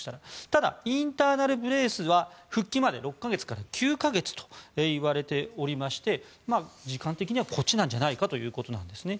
ただ、インターナル・ブレースは復帰まで６か月から９か月といわれておりまして時間的にはこっちなんじゃないかということなんですね。